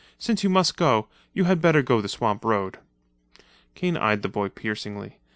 Since you must go, you had better go the swamp road." Kane eyed the boy piercingly.